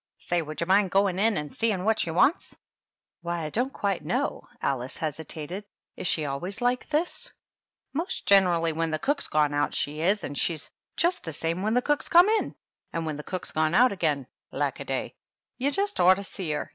"Say, would you mind going in and seeing what she wants?" "Why, I don't quite know," Alice hesitated. "Is she always like this?" " Most generally when the cook's gone out she is. And she's just the same when the cook's come in. And when the cook's gone out again — lackaday ! You just ought to see her